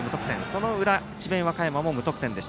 その裏、智弁和歌山も無得点。